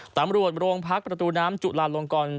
ตามรวดโรงพักษณ์ประตูน้ำจุฬานลงกร